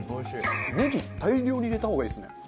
ネギ大量に入れた方がいいですね。